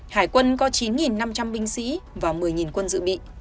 hải quân có chín năm trăm linh binh sĩ